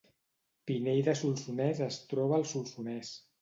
Pinell de Solsonès es troba al Solsonès